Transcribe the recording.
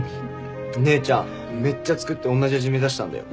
姉ちゃんめっちゃ作っておんなじ味目指したんだよ。